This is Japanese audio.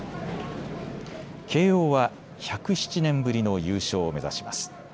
慶応は１０７年ぶりの優勝を目指します。